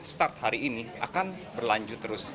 start hari ini akan berlanjut terus